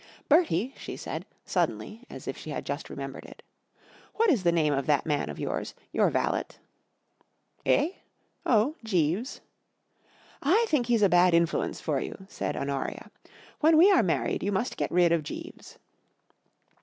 ,H Bertie," she said, suddenly, as if she had just remembered it, " what is the name of that man of yours — your valet ?"" Eir? Oh, Jeeves." '* I think he's a Isatl influence for you," said Monoria. '..When we are married you must get rid of Jeeves."